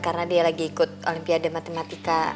karena dia lagi ikut olimpiade matematika